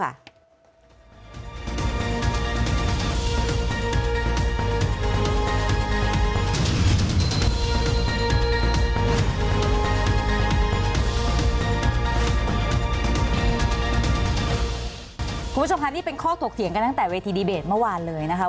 คุณผู้ชมค่ะนี่เป็นข้อถกเถียงกันตั้งแต่เวทีดีเบตเมื่อวานเลยนะคะ